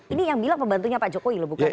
ini yang bilang pembantunya pak jokowi loh bukan